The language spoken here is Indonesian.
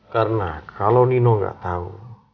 karena kalau nino nggak tahu